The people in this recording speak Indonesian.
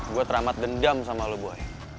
gue teramat dendam sama lo boy